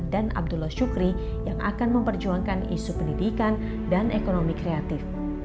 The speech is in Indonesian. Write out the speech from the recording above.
dan abdullah syukri yang akan memperjuangkan isu pendidikan dan ekonomi kreatif